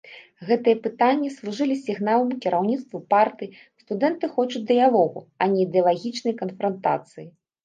Гэтыя пытанні служылі сігналам кіраўніцтву партыі, студэнты хочуць дыялогу, а не ідэалагічнай канфрантацыі.